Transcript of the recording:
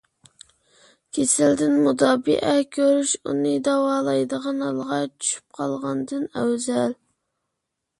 كېسەلدىن مۇداپىئە كۆرۈش، ئۇنى داۋالايدىغان ھالغا چۈشۈپ قالغاندىن ئەۋزەل.